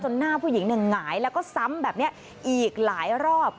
หน้าผู้หญิงเนี่ยหงายแล้วก็ซ้ำแบบนี้อีกหลายรอบ